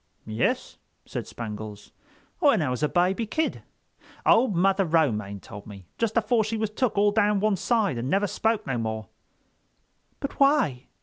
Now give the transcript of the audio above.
"Yus," said Spangles, "when I was a baby kid. Old Mother Romaine told me, just afore she was took all down one side and never spoke no more." "But why?"